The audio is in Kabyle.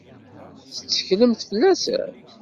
Tetteklemt fell-asen?